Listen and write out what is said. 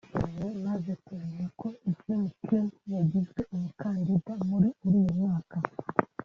“Nishimye maze kumenya ko Jim Kim yagizwe umukandida muri uriya mwanya